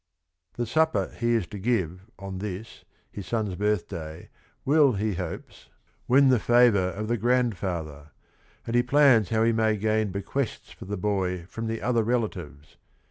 The supper he is to give on this his son's birth day will, he hopes, win the favor of the grand 138 THE RING AND THE BOOK father, and he plans how he may gain bequests for the boy from the other relatives.